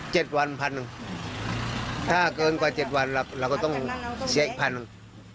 วันพันหนึ่งถ้าเกินกว่าเจ็ดวันเราเราก็ต้องเสียอีกพันหนึ่ง